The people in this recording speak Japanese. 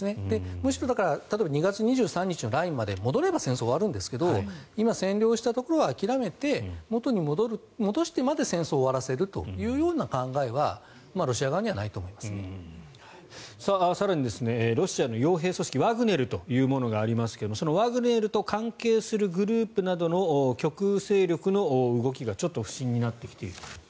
むしろ２月２３日のラインまで戻れば戦争は終わるんですが今、占領したところは諦めて元に戻してまで戦争を終わらせるという考えは更にロシアの傭兵組織ワグネルというものがありますがそのワグネルと関係するグループなどの極右勢力の動きがちょっと不審になってきている。